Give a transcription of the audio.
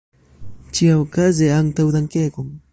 Ĉiaokaze, antaŭdankegon!